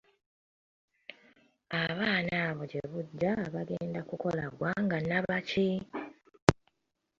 Abaana abo gye bujja bagenda kukola ggwanga nnabaki?